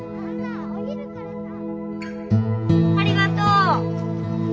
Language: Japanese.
ありがとう。